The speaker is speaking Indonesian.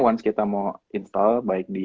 once kita mau install baik di